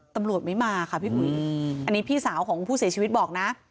ตำรวจไม่มาค่ะพี่อุ๋ยอันนี้พี่สาวของผู้เสียชีวิตบอกนะ